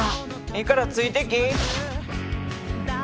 いいからついてき！